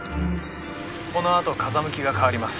このあと風向きが変わります。